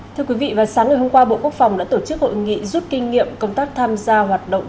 thưa quý vị vào sáng ngày hôm qua bộ quốc phòng đã tổ chức hội nghị rút kinh nghiệm công tác tham gia hoạt động